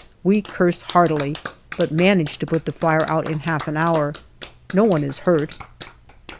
We curse heartily but manage to put the fire out in half an hour. No one is hurt.